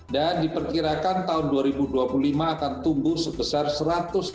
dan diperkirakan tahun dua ribu dua puluh lima akan tumbuh sekitar seratus miliar usd